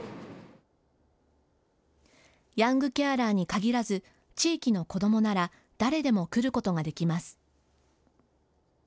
ヤングケアラーに限らず地域の子どもなら誰でも来ることができます。